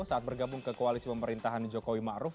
saat bergabung ke koalisi pemerintahan jokowi ma'ruf